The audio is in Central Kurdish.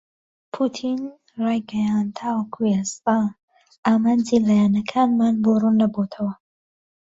پوتین رایگەیاند تاوەکو ئێستا ئامانجی لایەنەکانمان بۆ رووننەبووەتەوە.